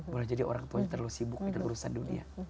boleh jadi orang tuanya terlalu sibuk dengan urusan dunia